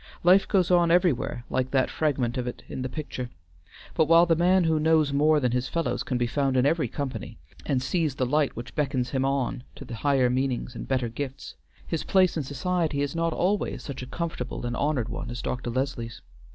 Life goes on everywhere like that fragment of it in the picture, but while the man who knows more than his fellows can be found in every company, and sees the light which beckons him on to the higher meanings and better gifts, his place in society is not always such a comfortable and honored one as Dr. Leslie's.